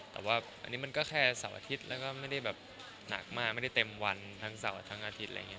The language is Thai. แต่ว่าอันนี้มันก็แค่เสาร์อาทิตย์แล้วก็ไม่ได้แบบหนักมากไม่ได้เต็มวันทั้งเสาร์ทั้งอาทิตย์อะไรอย่างนี้